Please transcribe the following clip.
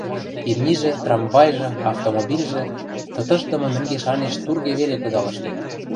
Имнижӹ, трамвайжы, автомобильжӹ, тытышдымы мӹнгеш-анеш турге веле кыдалыштыт.